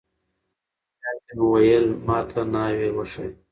مورجانې ته مې ویل: ما ته ناوې وښایه.